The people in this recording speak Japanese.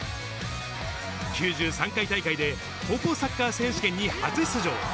９３回大会で高校サッカー選手権に初出場。